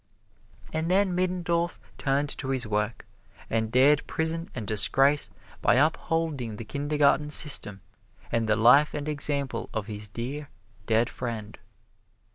And then Middendorf turned to his work, and dared prison and disgrace by upholding the Kindergarten System and the life and example of his dear, dead friend.